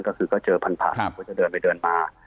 ก็คือเจอพันธุ์ผ่านก็จะเดินไปเดินมา